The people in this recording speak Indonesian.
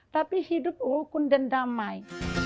tapi hidup rukun dan damai